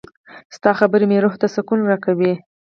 • ستا خبرې مې روح ته سکون راکوي.